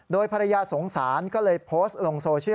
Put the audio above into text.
โดยภรรยาสงสารก็เลยโพสต์ลงโซเชียล